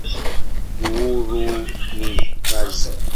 Uhuru ni kazi.